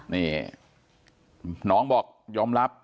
นี่น้องบอกยอมรับ